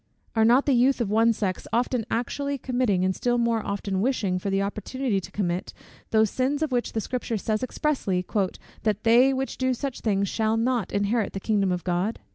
Are not the youth of one sex often actually committing, and still more often wishing for the opportunity to commit, those sins of which the Scripture says expressly, "that they which do such things shall not inherit the kingdom of God?"